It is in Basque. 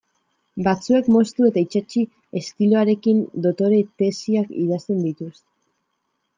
Batzuek moztu eta itsatsi estiloarekin doktore tesiak idazten dituzte.